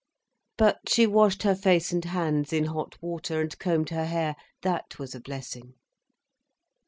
But she washed her face and hands in hot water, and combed her hair—that was a blessing.